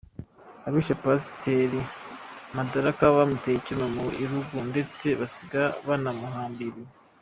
Abishe Pasiteri Madaraka bamuteye icyuma ku irugu ndetse basiga banamuhambiriye.